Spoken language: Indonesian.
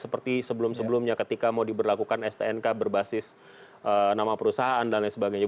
seperti sebelum sebelumnya ketika mau diberlakukan stnk berbasis nama perusahaan dan lain sebagainya